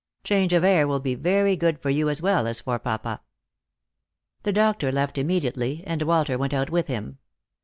Change of air will be very good for you as well as for papa." The doctor left immediately, and Walter went out with him.